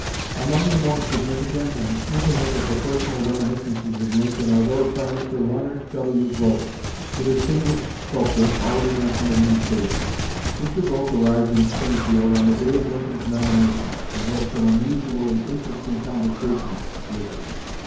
Among the more significant and intimate of the personal reminiscences of Lincoln are those by Mr. Leonard W. Volk, the distinguished sculptor already mentioned in these pages. Mr. Volk arrived in Springfield on the day of Lincoln's nomination, and had some unusually interesting conversation with him.